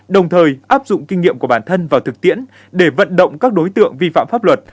đồng thời áp dụng kinh nghiệm của bản thân vào thực tiễn để vận động các đối tượng vi phạm pháp luật